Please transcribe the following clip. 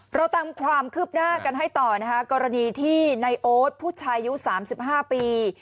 เราตามความคืบหน้ากันให้ต่อนะคะกรณีที่ในโอ๊ตผู้ชายอายุ๓๕ปี